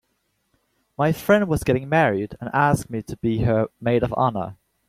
My friend was getting married and asked me to be her maid of honor.